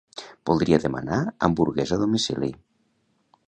Voldria demanar hamburguesa a domicili.